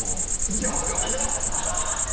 いや早い！